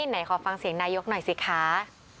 ไหนขอฟังเสียงนายกหน่อยสิคะ